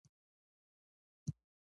ننګ او ناموس ساتل د هر پښتون دنده ده.